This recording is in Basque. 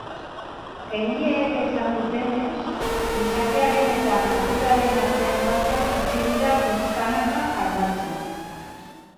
Egileek esan dutenez, gizakiaren eta naturaren artean gauzak hasi dira pixkanaka aldatzen.